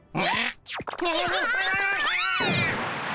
あ！